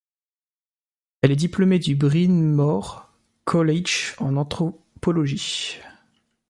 Elle est diplômée du Bryn Mawr College en anthropologie.